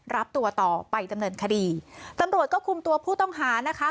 รับตัวต่อไปดำเนินคดีตำรวจก็คุมตัวผู้ต้องหานะคะ